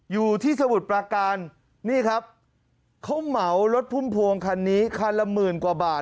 สมุทรปราการนี่ครับเขาเหมารถพุ่มพวงคันนี้คันละหมื่นกว่าบาท